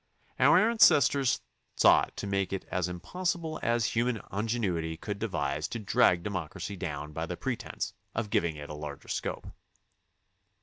Our an cestors sought to make it as impossible as human in genuity could devise to drag democracy down by the pretence of giving it a larger scope.